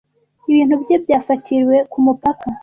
ibintu bye byafatiriwe kumupaka